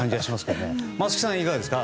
松木さん、いかがですか。